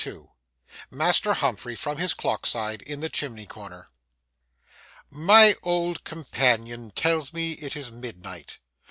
II MASTER HUMPHREY, FROM HIS CLOCK SIDE IN THE CHIMNEY CORNER MY old companion tells me it is midnight.